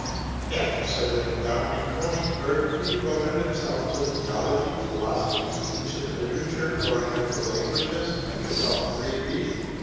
After settling down in Konigsberg, he devoted himself to theology, philosophy, ancient literature, oriental languages, and desultory reading.